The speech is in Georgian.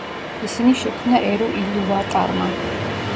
ისინი შექმნა ერუ ილუვატარმა.